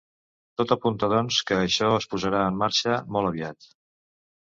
Tot apunta, doncs, que això es posarà en marxa molt aviat.